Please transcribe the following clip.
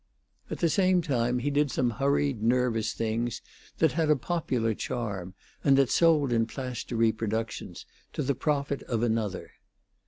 At the same time he did some hurried, nervous things that had a popular charm, and that sold in plaster reproductions, to the profit of another.